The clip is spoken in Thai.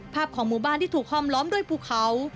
ของหมู่บ้านที่ถูกห้อมล้อมด้วยภูเขา